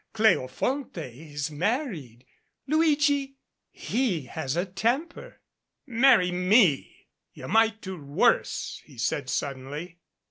Cleofonte is married. Luigi? He has a temper " "Marry me! You might do worse," he said suddenly.